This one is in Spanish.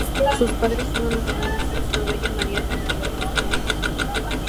Sus padres fueron los señores Sixto Bello y María de la Luz Ruiz.